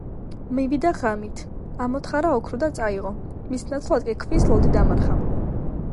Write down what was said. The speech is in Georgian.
მივიდა ღამით, ამოთხარა ოქრო და წაიღო, მის ნაცვლად კი ქვის ლოდი დამარხა.